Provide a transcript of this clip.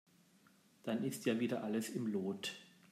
Dann ist ja wieder alles im Lot.